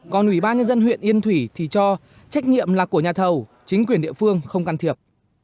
còn ủy ban nhân dân huyện yên thủy thì cho trách nhiệm là của nhà thầu chính quyền địa phương không can thiệp